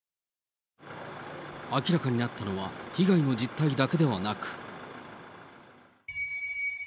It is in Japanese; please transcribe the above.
明らかになったのは、被害の実態だけではなく。